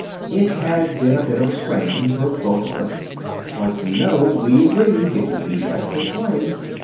"It has been a bit of a strain for both of us. But, you know, we agreed it would be best this way.